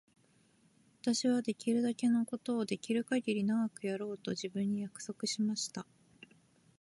私はできるだけのことをできるかぎり長くやろうと自分に約束しました。